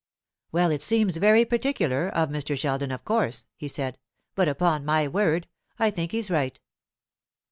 "Well, it seems very particular of Mr. Sheldon, of course," he said; "but, upon my word, I think he's right.